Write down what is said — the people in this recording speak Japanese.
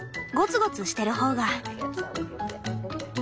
ゴツゴツしてる方が。